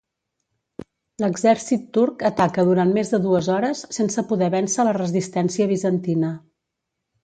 L'exèrcit turc ataca durant més de dues hores, sense poder vèncer la resistència bizantina.